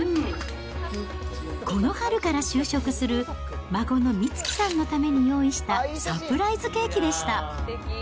この春から就職する、孫の光希さんのために用意したサプライズケーキでした。